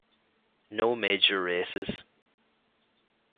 No major races.